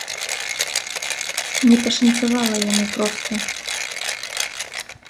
Не пашанцавала яму проста.